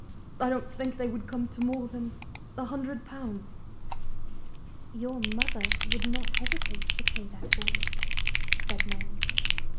I don't think they would come to more than a hundred pounds." "Your mother would not hesitate to pay that for you?" said Mary.